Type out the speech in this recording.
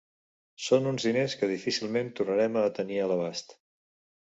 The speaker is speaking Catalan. Són uns diners que difícilment tornarem a tenir a l’abast.